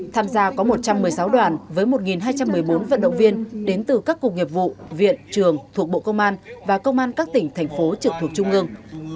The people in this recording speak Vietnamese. tham gia có một trăm một mươi sáu đoàn với một hai trăm một mươi bốn vận động viên đến từ các cục nghiệp vụ viện trường thuộc bộ công an và công an các tỉnh thành phố trực thuộc trung ương